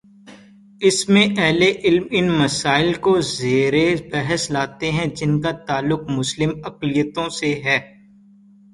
اس میں اہل علم ان مسائل کو زیر بحث لاتے ہیں جن کا تعلق مسلم اقلیتوں سے ہے۔